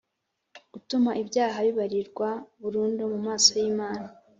Gutuma ibyaha bibabarirwa burundu mu maso y imana